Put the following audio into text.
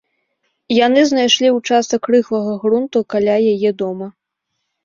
Яны знайшлі ўчастак рыхлага грунту каля яе дома.